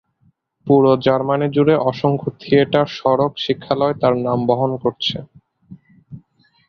পুরো জার্মানি জুড়ে অসংখ্য থিয়েটার সড়ক শিক্ষালয় তার নাম বহন করছে।